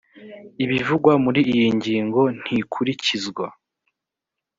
ibivugwa muri iyi ngingo ntikurikizwa